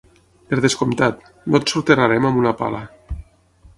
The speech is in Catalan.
Per descomptat, no et soterrarem amb una pala.